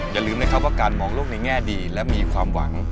อย่าลืมนะครับว่าการมองโลกในแง่ดีและมีความหวัง